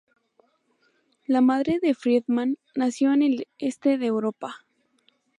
La madre de Friedman nació en el este de Europa.